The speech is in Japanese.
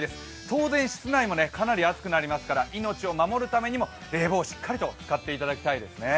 当然、室内もかなり暑くなりますから命を守るためにも冷房をしっかり使っていただきたいです。